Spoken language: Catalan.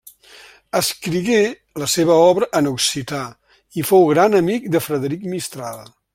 Escrigué la seva obra en occità, i fou gran amic de Frederic Mistral.